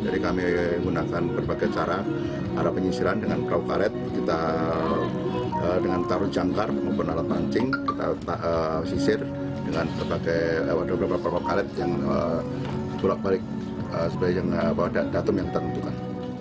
jadi kami gunakan berbagai cara arah penyisiran dengan perahu karet kita dengan taruh jangkar mempunyai alat pancing kita sisir dengan beberapa perahu karet yang pulak balik sebagian datum yang kita tentukan